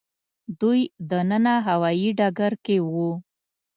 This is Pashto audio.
دوی دننه هوايي ډګر کې وو.